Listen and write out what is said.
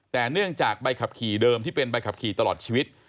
แต่เนื่องจากใบขับขี่เดิมที่เป็นใบขับขี่ตลอดชีวิต